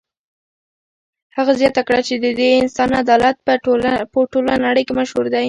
هغه زیاته کړه چې د دې انسان عدالت په ټوله نړۍ کې مشهور دی.